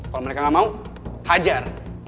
kalau mereka nggak mau hajar